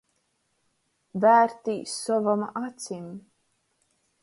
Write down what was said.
Vērtīs sovom acim.